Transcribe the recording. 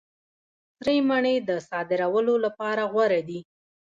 سرې مڼې د صادرولو لپاره غوره دي.